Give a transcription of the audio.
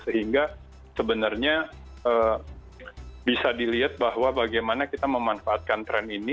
sehingga sebenarnya bisa dilihat bahwa bagaimana kita memanfaatkan tren ini